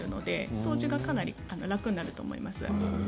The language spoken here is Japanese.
掃除がかなり楽になると思います。